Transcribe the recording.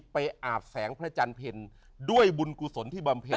ไปอาบแสงพระจันทร์เพลินด้วยบุญกุศลที่บำเพลย์